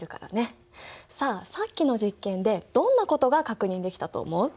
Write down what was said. さあさっきの実験でどんなことが確認できたと思う？